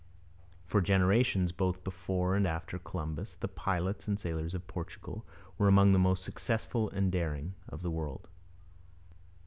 For generations, both before and after Columbus, the pilots and sailors of Portugal were among the most successful and daring in the world.